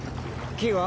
キーは？